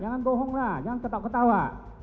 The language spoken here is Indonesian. jangan bohong lah jangan ketawa ketawa